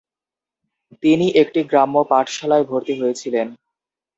তিনি একটি গ্রাম্য পাঠশালায় ভর্তি হয়েছিলেন।